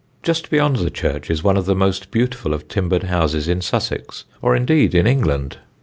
Just beyond the church is one of the most beautiful of timbered houses in Sussex, or indeed in England.